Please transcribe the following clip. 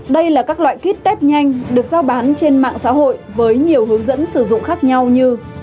đây là các loại kit test nhanh được giao bán trên mạng xã hội với nhiều hướng dẫn sử dụng khác nhau như